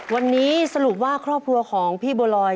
วันนี้สรุปว่าครอบครัวของพี่บัวลอย